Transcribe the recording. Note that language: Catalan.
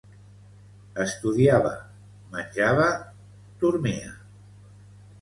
Estudiava, menjava, dormia.